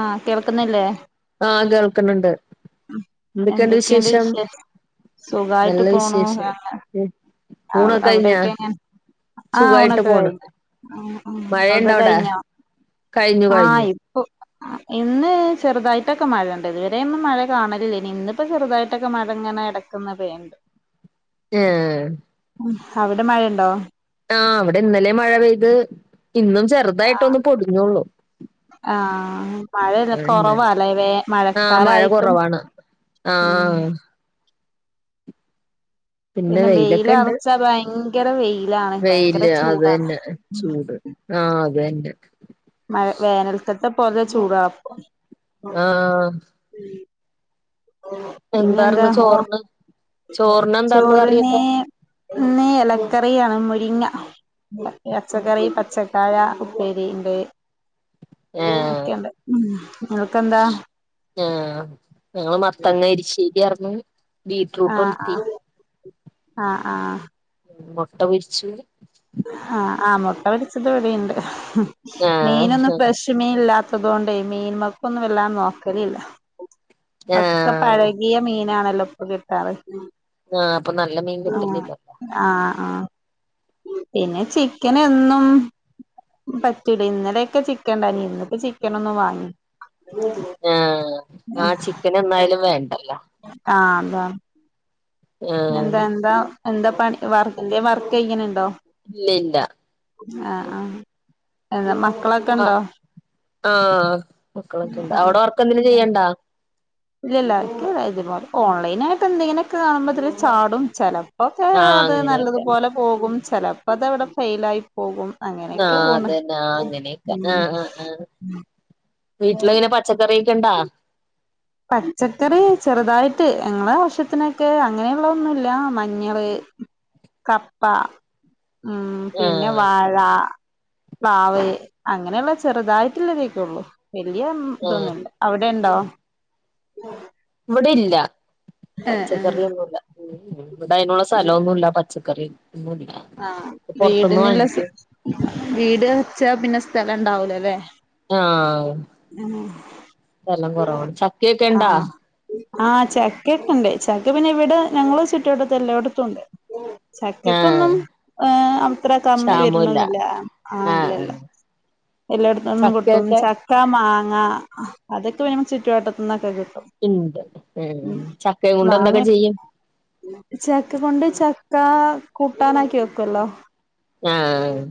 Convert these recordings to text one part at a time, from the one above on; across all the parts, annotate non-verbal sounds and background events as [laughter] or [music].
ആഹ് കേൾക്കുന്നില്ലേ ക്ക്‌ണ് ണ്ട്. ഹ്മ്മ്, എന്തൊക്കെയ്ണ്ട് വിശേ നല്ല സുഖായിട്ട് പോണു. വിശേഷം ഉം ഏഹ് ഊണൊക്കെ കഴിഞ്ഞാ അവ്ടൊക്കെങ്ങനെ? ആഹ് സുഖായിട്ട് ഊണൊക്കെ പോണ് കഴിഞ്ഞ്. ഹ്മ്മ് മ് മഴയുണ്ടോ അവിട്ത്തൊക്കെ അവിടെ കഴിഞ്ഞോ കഴിഞ്ഞു ആഹ് കഴിഞ്ഞു ഇപ്പൊ. ഇന്ന് ചെറുതായിട്ടൊക്കെ മഴണ്ട്. ഇതുവരെ ഒന്നും മഴ കാണലില്ലേനി, ഇന്ന്പ്പം ചെറുതായിട്ടൊക്കെ മഴ ഇങ്ങനെ എടക്കൊന്ന് പെയ്യിണ്ട്. ഏഹ് ഉം, അവിടെ മഴണ്ടോ ആഹ് ഇവിടെ ഇന്നലേം മഴ പെയ്ത്, ഇന്നും ചെറുതായിട്ടൊന്ന് പൊടിഞ്ഞൊള്ളു. ആഹ്, മഴല്ല കുറവാലെ വേ ആഹ് മഴ മഴക്കാലായിട്ടും കുറവാണ് ഉം ആഹ്. പിന്നെ വെയിലൊക്കെ ഇണ്ട്. വെയിലറച്ചാ ഭയങ്കര വെയിലാണ് ഭയങ്കര വെയില് ചൂടാണ് അതന്നെ ചൂട് ആഹ് അതെ. മഴ വേനൽക്കത്തെ പോലെ ചൂടാ പ്പോ ആഹ് പിന്നെ എന്താ എന്താർന്ന് ഊ, ചോറിന് ചോറിന് എന്താർന്ന് ചോറിന് കറിയൊക്കെ ഇന്ന് എലക്കറിയാണ് മുരിങ്ങ. പച്ചക്കറി, മുരിങ്ങ പച്ചക്കായ ഉപ്പേരി ഇണ്ട്. ഏഹ് അങ്ങനെക്കെയ്ണ്ട് ഹ്മ്മ് അവ്ടെക്കെന്താ ആഹ് ഞങ്ങള് മത്തങ്ങ എടശ്ശേരിയാർന്ന്, ബീറ്റ്റൂട്ട് ആഹ് ഒൽത്തി. ആഹ് ആഹ് ആഹ് മുട്ട പൊരിച്ചു ആഹ് ആ മുട്ട പൊരിച്ചത് ഇവിടെണ്ട് ആഹ് മീനൊന്നും ആഹ് ഫ്രഷ് മീൻല്ലാ അതോണ്ടേ മീൻമക്കൊന്നും വല്ലാണ്ട് നോക്കലില്ല ഒക്കെ പഴകിയ മീനാണല്ലോ ഇപ്പ കിട്ടാറ് ആഹ ഇപ്പൊ നല്ല മീൻ കിട്ടുന്നില്ലല്ലോ ആ പിന്നെ ചിക്കൻ എന്നും പറ്റൂല ഇന്നലൊക്കെ ചിക്കൻ ണ്ടേനി ഇന്നിപ്പോ ചിക്കനൊന്നും വാങ്ങീല ആഹ് ആ ചിക്കൻ എന്നായാലും വേണ്ടല്ലോ ആ ആഹ് ആഹ് ആഹ് എന്താ എന്താ എന്താ പണി വർ എന്തേലും വർക്കെയ്യിനിണ്ടോ ഇല്ല ഇല്ല ആഹ് ആ എന്താ മക്ക ആ ആഹ മക്കളൊക്കെണ്ട് അവിടെ വർക്കെന്തേലും ചെയ്യണ്ടാ ഇല്ല ഇല്ല ഇതുപോലെ ഓൺലൈനായിട്ട് എന്തെങ്കനെയൊക്കെ കാണുമ്പോ ചാടും ചെലപ്പം ക്കെ ആഹ് അത് അങ്ങനെയൊക്കെ നല്ലതുപോലെ പോകും ചിലപ്പോ അത് അവിടെ ഫൈൽ ആയി പോകും അങ്ങനെയൊക്കെ ആഹ പോണ് അതന്നെ അങ്ങനെയൊക്കെ ഉം ആഹ ആഹ് ആഹ വീട്ടില് എങ്ങനെ പച്ചക്കറിയൊക്കെ ണ്ടാ പച്ചക്കറി ചെറുതായിട്ട് ഞങ്ങളെ ആവശ്യത്തിനൊക്കെ അങ്ങനെയുള്ള ഒന്നുല്ല മഞ്ഞള് കപ്പ ഉം പിന്നെ ആഹ് വാഴ പ്ലാവ് അങ്ങനെയുള്ള ചെറുതായിട്ടുള്ളതൊക്കെ ഒള്ളു വല്യ ഉം ആഹ് ഇതൊന്നുല്ല അവിടെ ഇണ്ടോ ഇവിടെല്ല പച്ചക്കറിയൊന്നുല്ല ഇവിടയ്നുള്ള സ്ഥലൊന്നുലാ പച്ചക്കറി ഒന്നുല്ല ആഹ പൊറത്തുന്ന് വീടിനുള്ള വാങ്ങിക്കും വീട് വച്ച പിന്നെ സ്ഥലം ഉണ്ടാവൂലല്ലേ ആഹസ്ഥലം കുറവാണ് ചക്കയൊക്കെ ഇണ്ടാ ആഹ് ആഹ് ചക്ക ഒക്കുണ്ട് ചക്ക് പിന്നെ ഇവിടെ ഞങ്ങള് ചുറ്റട്ടത്തെല്ല എല്ലേട്ത്തുംണ്ട് ആഹ് ചക്കക്കൊന്നും ഏർ അത്ര കമ്മി ക്ഷാമൂല്ല വരണെന്നില്ല ആഹ ആഹ് ഇല്ലല്ല. ആഹ് എല്ലേട്ത്ത്ന്നും കിട്ടും ചക്കയൊക്കെ ചക്ക മാങ്ങ അതൊക്കെ വേണേ ചുറ്റുവട്ടത്ത്ന്നൊക്കെ കിട്ടും ഇണ്ട് ഉം ഉ ചക്കയും കൊണ്ട് എന്തൊക്കെ മാങ്ങ ചെയ്യും ചക്ക് കൊണ്ട് ചക്ക് ക്ക കൂട്ടാനാക്കി വെക്കല്ലോ ആഹ്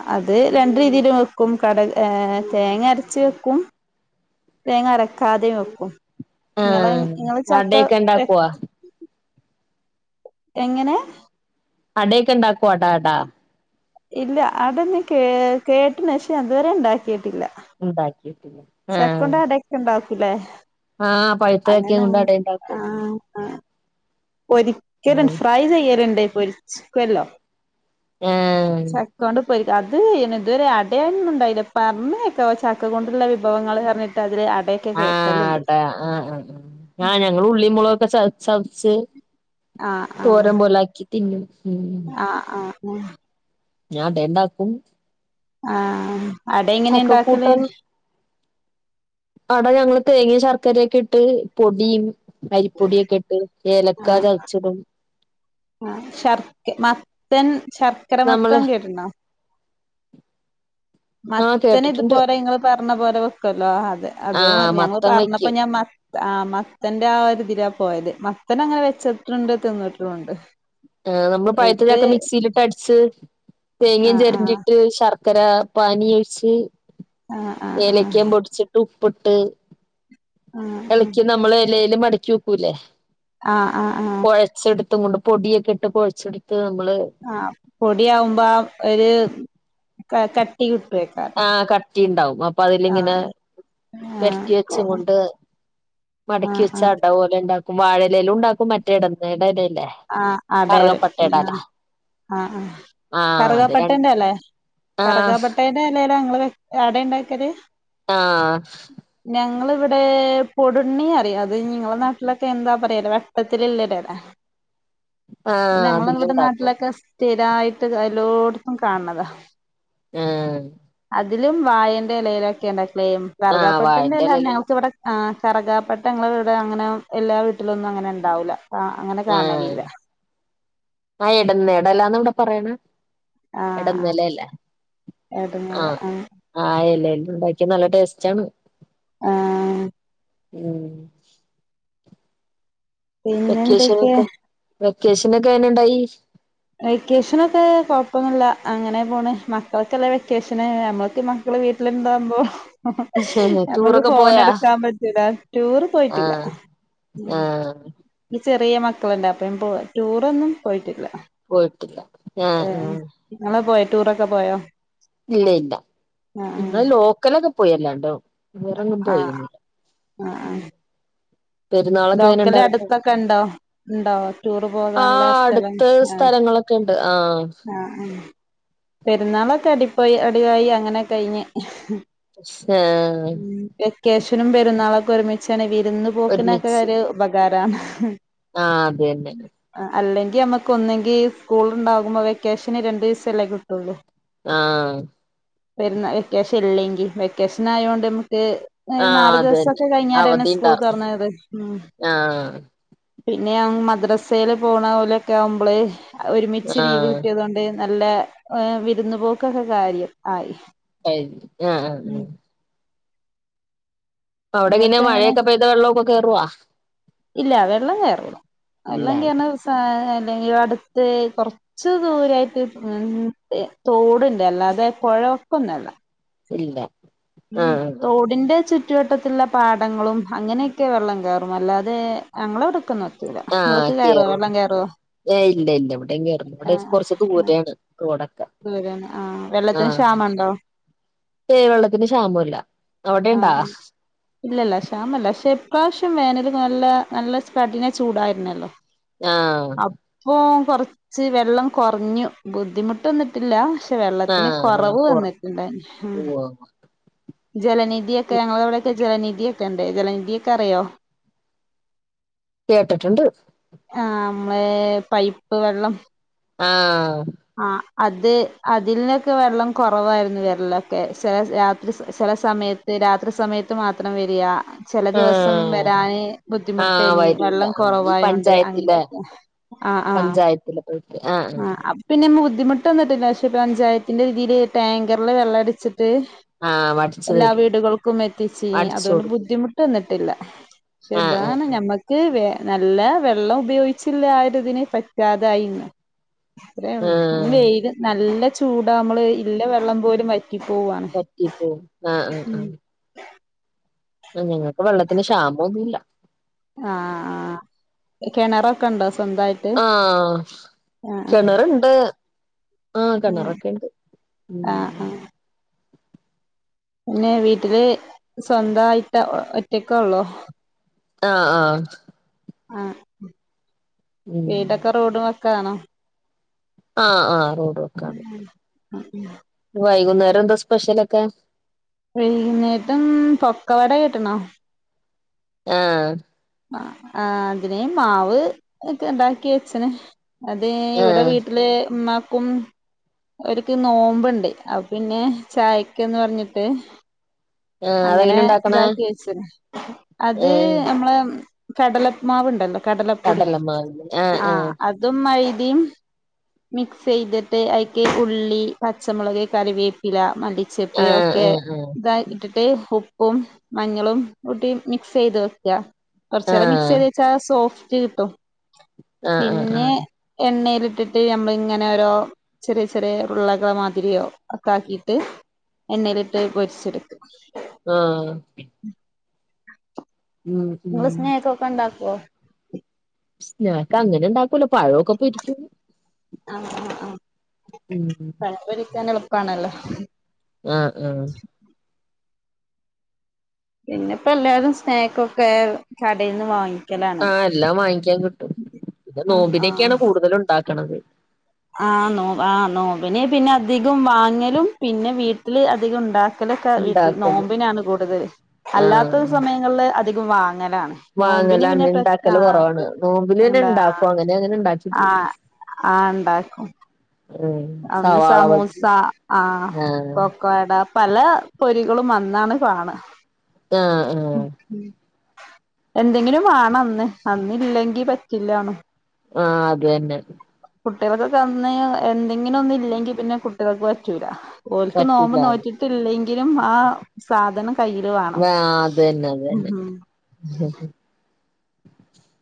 ആ അത് രണ്ട്‌ രീതിലും വെക്കും കട ഏ തേങ്ങ അരച്ച് വെക്കും. തേങ്ങ അരക്കാതെയ വെക്കും നിങ്ങളെ ആഹ് നിങ്ങള് ചക്ക അടയൊക്കെ ഇണ്ടാക്കുവോ എങ്ങനെ അടയൊക്കെ ഉണ്ടാക്കും അടാ അടാ ഇല്ല അടൊന്നും കേ കേട്ടനക്ഷേ അതുവരെ ഉണ്ടാക്കിട്ടില്ല. ഉണ്ടാക്കിട്ടില്ല ആഹ് ചക്കണ്ട് അടൊക്കെ ഉണ്ടാക്കൂല്ലേ ആഹ് പഴുത്തൊക്കെ കൊണ്ട അട ഇണ്ടാക്കും. പൊരിക്കലും ആഹ് ഫ്രൈചെയ്യരുണ്ട് പൊരിച്ക്കല്ലോ ആഹ അത് ഇതുവരെ അടയാനുണ്ടായില്ല പറഞ്ഞക്കെ ചക്ക കൊണ്ടുള്ള വിഭവങ്ങൾ പറഞ്ഞിട്ട് അതില്അട ആഹട്ടാ ആ് ആ ആ ആ ഞങ്ങളുള്ളി മുളകൊക്കെ ചതച്ചരച്ച് ആഹ ആഹ തോരൻ പോലാക്കി തിന്നും ആഹ ആഹ ആ ഞാൻടണ്ടാക്കും ആഹ അട എങ്ങനാണ്ടാക്കല് അട ഞങ്ങള് തേങ്ങയു ശർക്കരയൊക്കെ ഇട്ട് പൊടിയും അരിപ്പൊടിയൊക്കെട്ട് ഏലക്കാ ആഹ് ചതച്ചിടും. ത്തൻ ശർക്കര നമ്മള് മത്തൻ കേട്ടുന്നോ ആഹ് മത്തന് കേട്ടിട്ടുണ്ട് ഇതുപോലെ ഇങ്ങൾ പറഞ്ഞ പോലെ വെക്കൊല്ലോ അ അ അത ആഹ് ഞങ്ങൾ മത്തം പറഞ്ഞപ്പോ വെക്കും ഞാൻ മത്ത ആഹ് മത്തന്റെ ആരോതിലാ പോയത് മത്തൻ അങ്ങനെ വെച്ചിട്ടുണ്ട് തിന്നിട്ടുംണ്ട് ആ നമ്മൾ പഴുത്ത ചക്ക മിക്സിയിലിട്ട്അടിച്ചു തേങ്ങം ആഹ് ആഹ് ചിരണ്ടിട്ട് ശർ ചക്കര പാനീ ഒഴിച്ച് ആഹ് ആഹ് ഏലക്കൻ പൊടിച്ചിട്ട് ഉ പൊട്ട് ആഹ് ഇളക്കി നമ്മള് എലേല് മടിക്കി വെക്കൂലേ ആഹ ആഹ ആഹ അത കൊണ്ട് പൊടിയൊക്കെട്ട് കുഴച്ചെടു ആ പൊടിയകുമ്പോ ഒരു ക കട്ടികിട്ടും ആഹ കട്ടി ഉണ്ടാവും അപ്പൊ അതിലിങ്ങനെ ആഹ് ആഹ് പെരട്ടി വെച്ചും കൊണ്ട് മടക്കി ആഹ് വെച്ച ആഹ് അട പോലെ ഉണ്ടാക്കും വാഴലയിലും ഉണ്ടാക്കും മറ്റേ ഇടലേലും ല്ലേ ആഹ് അടയര കറുകപ്പട്ടേടെല ആഹ് ആഹ് ആ കറുകാപ്പട്ടേന്റെ ഇലെ ആഹ് കറുകാപ്പട്ടേന്റെ ല്ല അട ഉണ്ടാക്കല് ആഹ ങ്ങളിവിടെ പൊടുണ്ണി അറിയാം അത് നിങ്ങള നാട്ടിലൊക്കെ എന്താ പറയല്ലേ വെട്ടത്തിലിള്ള ഇല ആഹ് ഞങ്ങള്ടെ ഇവിടെ അതിലുണ്ടാക്കുവല്ലോ നാട്ടിലൊക്കെ സ്ഥിരായിട്ട് എല്ലോട്ത്തും കാണന്നാതാ ഉം അതിലും വായന്റെ ഇലയിലൊക്കെ ഉണ്ട ക്ലേം ആഹ് വാഴന്റെ കാർഗാപ്പെട്ടന്റെല എലേല് ഞങ്ങക്ക്‌ ഇവിടെ ആ കറകാപ്പെട്ട ഞങ്ങളെവിടെ അങ്ങനെ എല്ലാ വീട്ടിലൊന്നും അങ്ങനെ ഉണ്ടാവൂല്ല ആഹ ആ ഇടന്ന് ഇടല്ലാന്ന് ഇവിടെ പറയണ ആഹ് കടന്ന ആഹ് നിലല്ല എടങ്ങേറാ ആഹ ആഹ് ആ എലാണ് ണ്ടാക്കി നല്ല ടേസ്റ്റ് ആണ് ആഹ് ഉം പിന്നെന്തൊക്കെയാ വെക്കേഷൻ ഒക്കെ എങ്ങനെ ഇണ്ടായി വെക്കേഷനൊക്കെ കുഴപ്പന്നുല്ല അങ്ങനെ പോണ് മക്കൾക്കല്ലേ വെക്കേഷൻ നമ്മൾക്കൊക്കെ ടെ വീട്ടിലെന്താവുമ്പോ നമ്മുക്ക് ടൂറൊക്കെ ഫോൺ പോയാ എടുക്കാൻ പറ്റുല ടൂർ പോയിട്ടില്ല ആഹ എനിക്ക് ചെറിയ മക്കളല്ലേ അപ്പം ഇ ടൂറൊന്നും പോയിട്ടില്ല പോയിട്ടില്ല ആഹ് [unintelligible] ആഹ് ഇങ്ങള് പോയ ടൂറൊക്കെ പോയോ? ഇല്ല ഇല്ല ആഹ് നിങ്ങ ലോക്കലൊക്കെ പോയല്ലണ്ടോ വേറങ്ങും ആഹ് ആഹ് ലോക്കൽ അടുത്തൊക്കെ ഇണ്ടോ ഇണ്ടോ? ടൂറ് പോകാനുള്ള ആഹ് സ്ഥലം അടുത്ത് ആഹ് സ്ഥലങ്ങളൊക്കെ ഉണ്ട് ആഹ് ആഹ് പെരുന്നാളൊക്കെ അടിപയി അടിപയി അങ്ങനെ കഴിഞ്ഞ്. അഹ പ്പിനും പെരുന്നാളൊക്കെ ഒരുമിച്ചാണ് വിരുന്ന് പോക്കിനൊക്കെ ഒരു ഉപകാരാണ്. ആഹ അതെന്നെ അല്ലെങ്കി നമ്മുക്ക് ഒന്നെങ്കി സ്കൂളിണ്ടാകുമ്പോ വെക്കേഷന് രണ്ടു ദിവസം അല്ലേ കിട്ടൂള്ളു. ആഹ വരുന്ന വെക്കേഷൻ ഇല്ലെങ്കിൽ വെക്കേഷൻ ആയോണ്ട്ക്ക് ട്ട് ഒരു ആഹ് നാല് അത് തന്നെ ദിവസൊക്കെ കഴിഞ്ഞാരന്നെ അവധി സ്കൂൾ ഉണ്ടാർന്ന് തുറന്നത്. ഉം ആഹ്. പിന്നെ ഞാൻ മദ്രസയില് പോണലൊക്കെ ആവുമ്പോള് ഒരുമിച്ച് ലീവ് ആഹ് കിട്ടിയതൊണ്ട് നല്ല ഏഹ് വിരുന്നുപോക്കൊക്കെ കാര്യം ആയി. ആഹ് ആഹ് ആഹ് ഉം. അവിടെങ്ങനെ നിങ്ങൾക്ക് എങ്ങനെ മഴയൊക്കെ പെയ്ത വെള്ളൊക്കെ കേറുവ? ഇല്ല വെള്ളം കയറൂല ഇല്ല വെള്ളം കയറണ ദിവസ ത്തെങ്കിലും അടുത്ത് കുറച്ച് ദൂരമായിട്ട് തോട്‌ണ്ട് അല്ലാതെ കൊഴ പ്പൊന്നുല്ല. ഇല്ല. ഉം ആഹ് തോടിന്റെ ചു ചുറ്റുവട്ടത്തിലുള്ള പാടങ്ങളും അങ്ങനെയൊക്കെ വെള്ളം കയറും അല്ലാതെ ഞങ്ങളെ വിടുത്തെ ഇങ്ങക്ക് കേറോ വെള്ളം കേറും ഏ ഇല്ല ഇല്ല ഇവിടെങ്ങറു ഇവിടെ കൊറച്ച് ദൂരെയാണ് തോടൊക്കെ ദൂരന് ആഹ വെള്ളത്തിന് ക്ഷാമ ഇണ്ടോ ഏഹ് വെള്ളത്തിന് ക്ഷാമമില്ല അവിടെണ്ടാ ആഹ ഇല്ലല്ല ശ്യാമല്ല ഇപ്രാവശ്യം വേനൽ നല്ല നല്ല കഠിന ചൂടായിരുന്നല്ലോ. ആഹ്. അപ്പൊ കൊറച്ച് വെള്ളം കുറഞ്ഞു. ബുദ്ധിമുട്ടൊന്നുപ്പില്ല്യ. വെള്ളത്തിന് ആഹ് വെള്ളം കുറവ് കുറഞ്ഞു വന്നിട്ടുണ്ടായി പോവാ ജലനിധിയൊക്കെ ഞങ്ങളവിടെയൊക്കെ ജലനിധിയൊക്കെ ഉണ്ട് ജലനിധിയൊക്കെ അറിയോ? കേട്ടട്ടിണ്ട്. മ്മ പൈപ്പ് വെള്ളം ആഹ്. ആഹ് അത് അതിൽന്നൊക്കെ വെള്ളം കുറവായിരുന്നു വരലൊക്കെ ചെല രാത്രി സ് സ് സമയത്ത് രാത്രി സമയത്ത് മാത്രം വരിയാ ചില ദിവസം ആഹ് വരാന് ആഹ് ബുദ്ധിമുട്ടേനി വരൂല വെള്ളം ഈ കൊറവായോണ്ട് പഞ്ചായത്തിലെ അങ്ങനേക്കെ ആ ആ പഞ്ചായത്തിലെ പോയിട്ട് ആഹ് [unintelligible] ബുദ്ധിമുട്ട് വന്നിട്ടില്ല പക്ഷെ പഞ്ചായത്തിന്റെ ഇതിയില് ടാങ്കറില് വെള്ളടിച്ചി ല്ല് ആഹ് ആഹ് വടിച്ചു എല്ലാം തരും വീടുകൾക്കും എത്തിച്ചേ അടിച്ചു അതുകൊണ്ട് കൊടുക്കും ബുദ്ധിമുട്ട് വന്നിട്ടില്ല. പക്ഷെ ആഹ് ഇതാണ് ഞമ്മക്ക് വേ നല്ല വെള്ളം ഉപയോഗിച്ചില്ല. ആര് ഇതിനെ പറ്റാതായിന്ന്. ആഹ് അത്രേള്ളൂ ആഹ് വെയില് നല്ല ചൂടാ നമ്മള് ഇള്ള വെള്ളം പോലും വറ്റി ക്കി പോവാണ്. പറ്റിപ്പോവും ഉം ആ ഞങ്ങൾക്ക് വെള്ളത്തിന് ക്ഷാമൊന്നുംല്ല. ആഹ ആ കിണറൊക്കെ ഉണ്ടോ. സ്വന്തായിട്ട്. ആഹ് ആ കിണറുണ്ട് ആഹ് ഉ കിണറൊക്കെ ഉണ്ട് ആ ആ ഉം പിന്നെ വീട്ടില് സ്വന്തായിട്ട്, ഒറ്റക്കുള്ളോ. ആഹ ആഹ ആ വീടൊക്കെ റോഡും വക്കാണോ? ആ ആ റോഡ് വക്കാണ്. വൈകുന്നേരം എന്താ സ്പെഷ്യലക്കെ? കട കിട്ടണോ. ആ ആ അതിനേ മാവ് ഒക്കെ ഇണ്ടാക്കി വച്ച്ണ് അത് ഇവിടെ ആഹ് വീട്ടിലെ ഉമ്മാക്കും. അവരക്ക് നോമ്പുണ്ട്. അപ്പോ പിന്നെ ചായക്കന്ന് പറഞ്ഞിട്ട്. ആഹ് അങ്ങനെ അതെങ്ങനെ ഉണ്ടാക്കണേ ഇതാക്കി വച്ചു. അത് ആഹ് നമ്മളെ കടലമാവ് ഉണ്ടല്ലോ കടലപ്പൊടി കടലമാവ് ആഹ് ആ ആഹ് അതും മൈദ യും മിക്സ് ചെയ്തിട്ട് അതിക്ക് ഉള്ളി പച്ചമുളക് കറിവേപ്പില മല്ലിച്ചെപ്പ് ഒക്കെ ആഹ് ആഹ് ഇതാ ഇട്ടിട്ട് പോ ഉപ്പും മഞ്ഞളും കൂട്ടി മിക്സ് ചെയ്ത് വെക്കുക. കുറച്ച് ആഹ് നേരം മിക്സ് ചെയ്ത് ആഹ് വെച്ചാൽ സോഫ് റ്റും കിട്ടും ആഹ് ആഹ് പിന്നെ ആഹ് എണ്ണയിൽ ഇട്ടിട്ട് നമ്മള് ഇങ്ങനെ ഓരോ ചെറിയ ചെറിയ ഉരുള്ളകള് മാതിരിയോ ഒക്കെ ആക്കിട്ട് എണ്ണയിലിട്ട് പൊരിച്ചെടുത്തു. ആ നിങ്ങൾ സ്നേക്കൊക്കെ ഉണ്ടാക്കുകോ സ്നാക്ക് അങ്ങനെ ഇണ്ടാക്കൂല്ല, പഴൊക്കെ പൊരിക്കും. ആ ആ ആ ഉം പഴം പൊരിക്കാൻ എളുപ്പാണല്ലോ. ആ ആഹ്. പിന്നെപ്പോ എല്ലാരും സ്നക്കൊക്കെ കടയിൽന്ന് വാങ്ങി ആ എല്ലാം വാങ്ങിക്കാൻ കിട്ടും. പിന്നെ ആഹ് നോമ്പിനക്കെയാണ് കൂടുതല് ഉണ്ടാക്കണത്. ആ നോമ്പി നോമ്പിന് പിന്നെ അധികം വാങ്ങലും പിന്നെ വീട്ടില് അധികം ഉണ്ടാക്ക ലൊക്കെ വീട്ടിൽ ഉണ്ടാക്കല് നോമ്പിനാണ് കൂടുതൽ. അല്ലാത്ത ആഹ് സമയങ്ങളിൽ അധികം വാങ്ങല് ലാണ് നോമ്പിന് വാങ്ങലാണ് പിന്നെ പ്രത്യേ ആ ഉണ്ടാക്കല് കുറവാണ് നോമ്പില് തന്നെ എന്താ ഉണ്ടാക്കും അങ്ങനെ അങ്ങനെ ഉണ്ടാക്കി ആ പോവും ആ ഇണ്ടാക്കും. ഉം അന്ന് സവാള സമോസ ബജ്ജി ആ ആഹ് പൊക്കോട പല പൊരികളും അന്നാണ് കാണാ ആ ആ. എന്തെങ്കിലും ആണ് അന്ന് അന്നില്ലെങ്കി പറ്റില്ലാണ്. ആഹഅത് തന്നെ. കുട്ടികൾക്ക് തന്ന് എന്തെങ്കിലും ഒന്നും ഇല്ലെങ്കിൽ പിന്നെ കുട്ടികൾക്ക് പറ്റൂല. ഓൽക്ക് നോമ്പോ പറ്റൂലാന്ന് നോറ്റിട്ടില്ലെങ്കിലും. ആ സാധനം കയ്യില് വേണം. അതന്നെ ഉം അതന്നെ.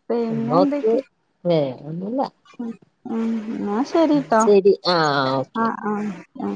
പിന്നെ എന്തക്കയ വേറൊന്നുല്ല എന്ന ശരിട്ടോ. ശരി ആഹ് ഓക്കെ ആ ആ. ആ.